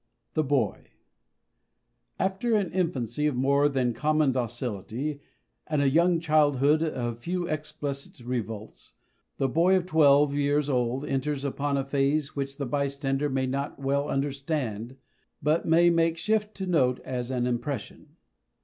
THE BOY After an infancy of more than common docility and a young childhood of few explicit revolts, the boy of twelve years old enters upon a phase which the bystander may not well understand but may make shift to note as an impression.